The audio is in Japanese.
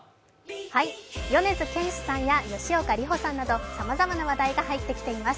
米津玄師さんや吉岡里帆さんなどさまざまな話題が入ってきています。